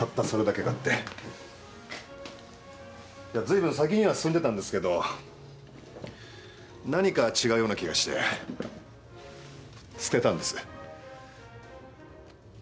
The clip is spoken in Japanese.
ずいぶん先には進んでたんですけど何か違うような気がして捨てたんです。